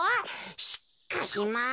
しっかしまあ